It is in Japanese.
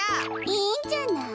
いいんじゃない。